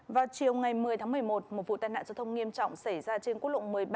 vào chiều ngày một mươi tháng một mươi một một vụ tai nạn giao thông nghiêm trọng xảy ra trên quốc lộ một mươi ba